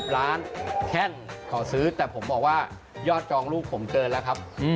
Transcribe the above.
ล้านแข้งขอซื้อแต่ผมบอกว่ายอดจองลูกผมเกินแล้วครับ